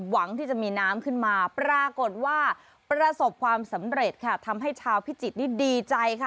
หวังให้มีน้ำขึ้นมาปรากฎว่าประสบความสำเร็จทำให้ชาวพิจิตรดีใจ